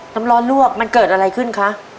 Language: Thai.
น้ำร้อนลวกมันเกิดอะไรขึ้นคะ